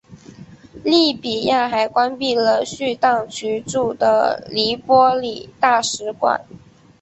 利比亚还关闭了叙当局驻的黎波里的大使馆。